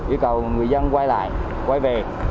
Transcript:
yêu cầu người dân quay lại quay về